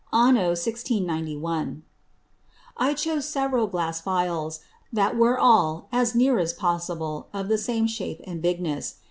Anno 1691. I chose several Glass Vials, that were all, as near as possible, of the same shape and bigness.